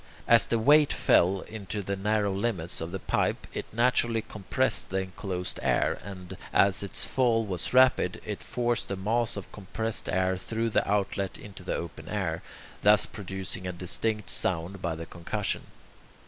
As the weight fell into the narrow limits of the pipe, it naturally compressed the enclosed air, and, as its fall was rapid, it forced the mass of compressed air through the outlet into the open air, thus producing a distinct sound by the concussion.